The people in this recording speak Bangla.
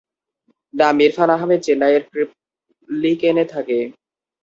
নাম ইরফান আহমেদ চেন্নাইয়ের ট্রিপলিকেনে থাকে।